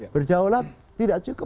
berdaulat tidak cukup